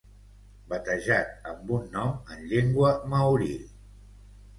batejat amb un nom en llengua maori